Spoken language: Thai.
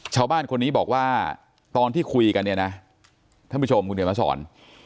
ชาวบ้านคนนี้บอกว่าตอนที่คุยกันเนี่ยนะท่านผู้ชมคุณเขียนมาสอน